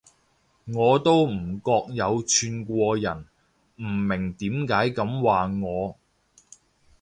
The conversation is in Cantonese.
我都唔覺有串過人，唔明點解噉話我